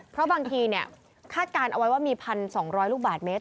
เพราะบางทีคาดการณ์เอาไว้ว่ามี๑๒๐๐ลูกบาทเมตร